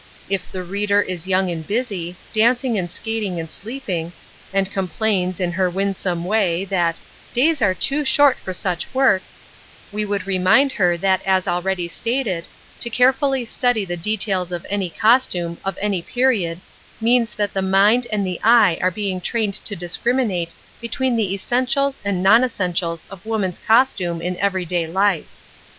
If the reader is young and busy, dancing and skating and sleeping, and complains, in her winsome way, that "days are too short for such work," we would remind her that as already stated, to carefully study the details of any costume, of any period, means that the mind and the eye are being trained to discriminate between the essentials and non essentials of woman's costume in every day life.